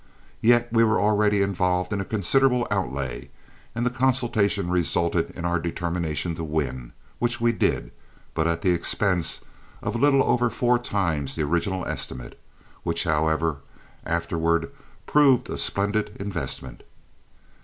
Yet we were already involved in a considerable outlay, and the consultation resulted in our determination to win, which we did, but at an expense of a little over four times the original estimate, which, however, afterward proved a splendid investment.